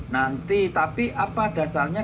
nanti tapi apa dasarnya